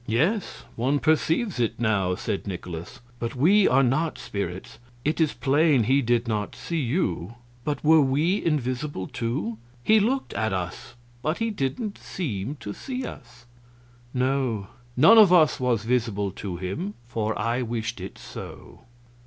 "Yes, one perceives it now," said Nikolaus, "but we are not spirits. It is plain he did not see you, but were we invisible, too? He looked at us, but he didn't seem to see us." "No, none of us was visible to him, for I wished it so."